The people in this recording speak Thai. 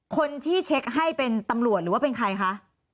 คนที่เช็คให้เป็นตำรวจหรือว่าเป็นใครคะ